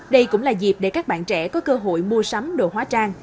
đây cũng là dịp để các bạn trẻ có cơ hội mua sắm đồ hóa trang